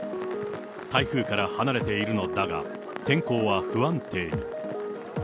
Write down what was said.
台風から離れているのだが、天候は不安定に。